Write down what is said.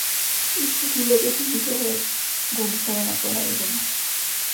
Es posible que este inicio se realizada en la Puebla del Valle.